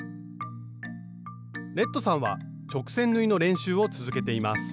レッドさんは直線縫いの練習を続けています